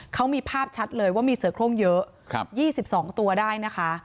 เขามีภาพชัดเลยว่ามีเสือโครงเยอะ๒๒ตัวได้นะคะ